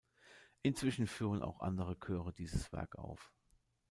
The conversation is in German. Inzwischen führen auch andere Chöre dieses Werk auf.